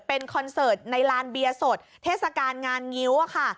เป็นคอนเสิร์ตในลานเบียร์สดเทศกาลงานงิ้วค่ะ